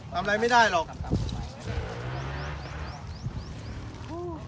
ทำอะไรไม่ได้หรอก